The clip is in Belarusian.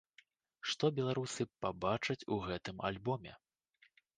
Што беларусы пабачаць у гэтым альбоме?